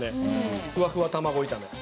ふわふわ卵炒め。